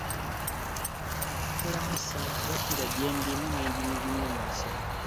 Nayambulamu essaati bakira gye ndimu ne nginyugunya mu nsiko.